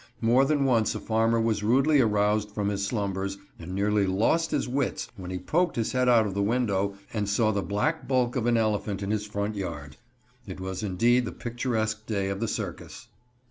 More than once a farmer was rudely aroused from his slumbers, and nearly lost his wits when he poked his head out of his window and saw the black bulk of an elephant in his front yard. It was, indeed, the picturesque day of the circus.